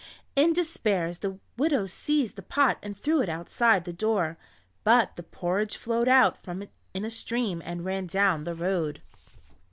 In despair the widow seized the pot and threw it outside the door, but the porridge flowed out from it in a stream, and ran down the road.